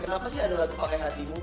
kenapa sih ada lagu pakai hatimu